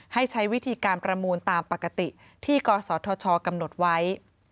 ให้ใช้วิธีการประมูลตามปกติที่กศธชกำหนดไว้